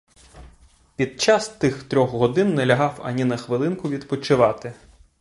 Під час тих трьох годин не лягав ані на хвилинку відпочивати.